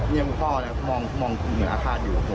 เนี่ยพี่พ่อแนี่ยมองเหมือนอ้าฆาตอยู่